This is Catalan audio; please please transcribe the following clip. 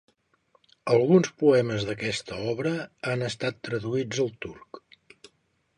Alguns poemes d'aquesta obra han estat traduïts al turc.